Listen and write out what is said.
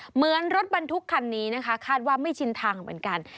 เหมือนรถบรรทุกคันนี้นะคะคาดว่าไม่ชินทางเหมือนกัน